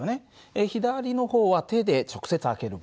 左の方は手で直接開ける場合。